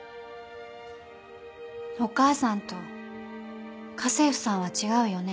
お母さんと家政婦さんは違うよね？